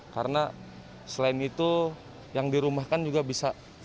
karena selain itu yang dirumahkan juga bisa kembali